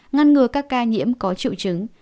ngăn ngừa các ca nhiễm có triệu chứng